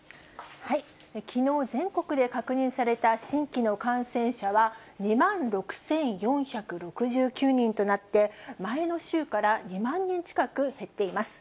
きのう全国で確認された新規の感染者は、２万６４６９人となって、前の週から２万人近く減っています。